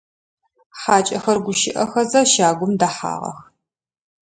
Хьакӏэхэр гущыӏэхэзэ щагум дэхьагъэх.